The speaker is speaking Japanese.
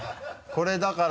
これだから。